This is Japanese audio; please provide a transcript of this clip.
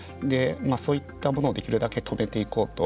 そういったものをできるだけ止めていこうと。